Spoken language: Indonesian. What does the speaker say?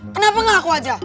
kenapa gak aku aja